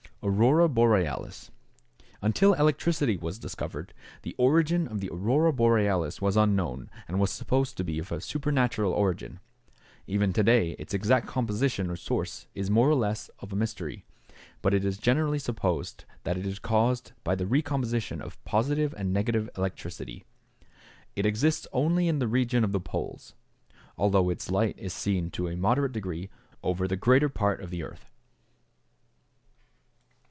=Aurora Borealis.= Until electricity was discovered, the origin of the aurora borealis was unknown, and was supposed to be of supernatural origin. Even to day its exact composition or source is more or less of a mystery, but it is generally supposed that it is caused by the recomposition of positive and negative electricity. It exists only in the regions of the poles, although its light is seen to a moderate degree over the greater part of the earth.